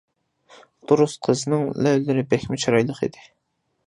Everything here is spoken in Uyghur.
دۇرۇس، قىزنىڭ لەۋلىرى بەكمۇ چىرايلىق ئىدى.